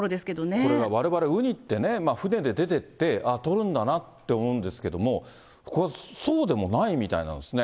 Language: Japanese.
これはわれわれ、ウニってね、船で出てって、取るんだなって思うんですけれども、そうでもないみたいなんですね。